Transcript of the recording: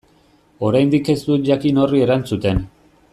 Oraindik ez dut jakin horri erantzuten.